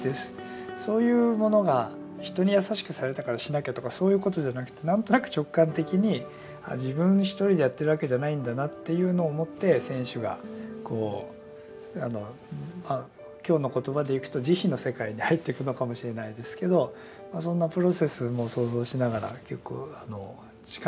そういうものが人に優しくされたからしなきゃとかそういうことじゃなくてなんとなく直感的に自分一人でやってるわけじゃないんだなっていうのを思って選手がこう今日の言葉でいくと慈悲の世界に入っていくのかもしれないですけどそんなプロセスも想像しながら結構近いなと思って話を聞いてまして。